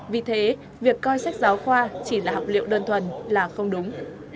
vì thế việc coi sách giáo khoa chỉ là học liệu đơn thuần là không đúng